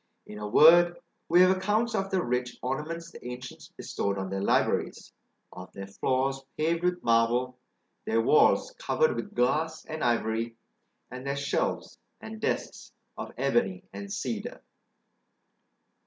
In a word, we have accounts of the rich ornaments the ancients bestowed on their libraries; of their floors paved with marble, their walls covered with glass and ivory, and their shelves and desks of ebony and cedar.